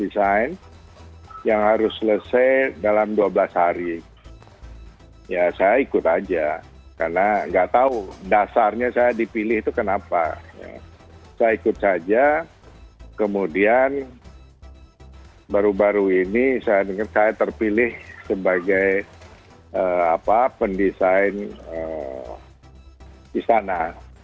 saya ikut saja kemudian baru baru ini saya terpilih sebagai pendesain istana